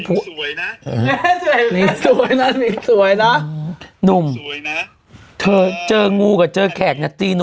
พบนิ้วมือคน